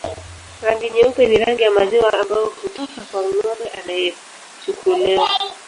Rangi nyeupe ni rangi ya maziwa ambayo hutoka kwa ngombe anayechukuliwa